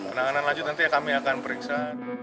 penanganan lanjut nanti kami akan periksa